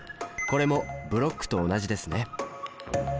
これもブロックと同じですね。